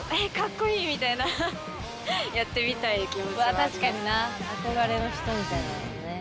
わあ確かにな。憧れの人みたいになるのね。